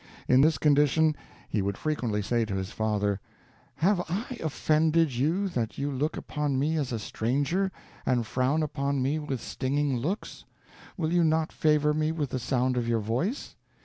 In this condition, he would frequently say to his father, "Have I offended you, that you look upon me as a stranger, and frown upon me with stinging looks? Will you not favor me with the sound of your voice?